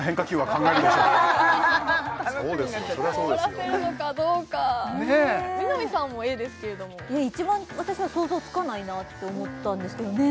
そりゃそうですよ凍らせるのかどうか南さんもＡですけれども一番私は想像つかないなって思ったんですけどね